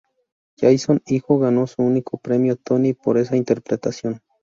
Jason hijo ganó su único premio Tony por esa interpretación.